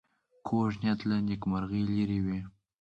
کوږ نیت له نېکمرغۍ لرې وي